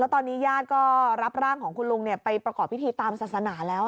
ตอนนี้ญาติก็รับร่างของคุณลุงไปประกอบพิธีตามศาสนาแล้ว